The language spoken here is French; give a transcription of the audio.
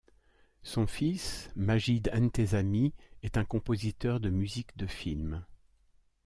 Son fils, Majid Entezami est un compositeur de musique de films.